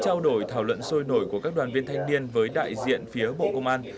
trao đổi thảo luận sôi nổi của các đoàn viên thanh niên với đại diện phía bộ công an